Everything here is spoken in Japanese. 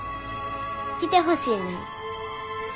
来てほしいねん。